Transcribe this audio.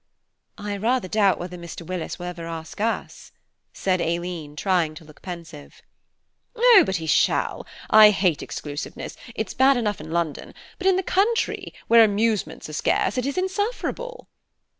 "I rather doubt whether Mr. Willis will ever ask us," said Aileen, trying to look pensive. "Oh! but he shall. I hate exclusiveness, it's bad enough in London; but in the country, where amusements are scarce, it is insufferable!"